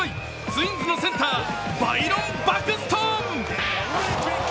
ツインズのセンター、バイロン・バクストン。